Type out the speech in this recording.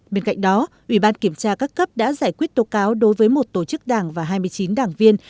bên cạnh đó ủy ban kiểm tra các cấp đã giải quyết tố cáo đối với một tổ chức đảng và hai mươi chín đảng viên